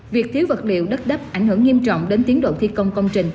việc thiếu vật liệu đất đắp ảnh hưởng nghiêm trọng đến tiến độ thi công công trình